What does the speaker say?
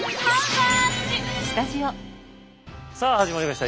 さあ始まりました。